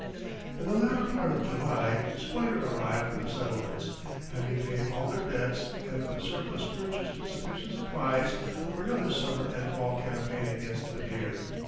In the latter part of July Squire arrived from the settlements, having paid all their debts and with the surplus purchased sufficient supplies for another summer and fall campaign against the deer.